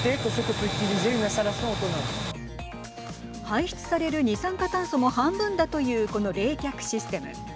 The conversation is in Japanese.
排出される二酸化炭素も半分だというこの冷却システム。